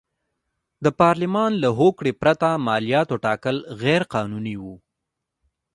د پارلمان له هوکړې پرته مالیاتو ټاکل غیر قانوني و.